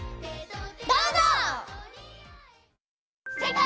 どうぞ！